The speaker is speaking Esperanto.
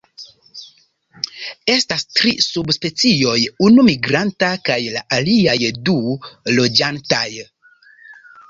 Estas tri subspecioj, unu migranta, kaj la aliaj du loĝantaj.